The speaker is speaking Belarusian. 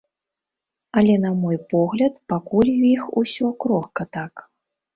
Але на мой погляд, пакуль у іх усё крохка так.